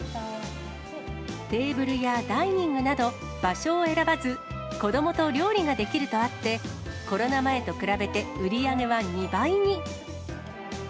テーブルやダイニングなど、場所を選ばず、子どもと料理ができるとあって、コロナ前と比べて売り上げは２倍に。